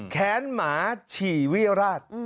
แขนหมาฉี่วิราช